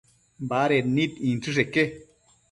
Baded nid inchësheque